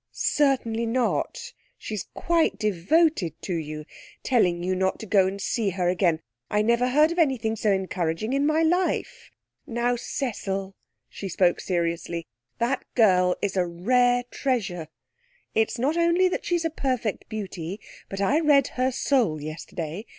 'Certainly not! She's quite devoted to you. Telling you not to go and see her again! I never heard of anything so encouraging in my life. Now, Cecil,' she spoke seriously, 'that girl is a rare treasure. It's not only that she's a perfect beauty, but I read her soul yesterday.